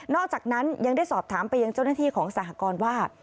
อกจากนั้นยังได้สอบถามไปยังเจ้าหน้าที่ของสหกรว่า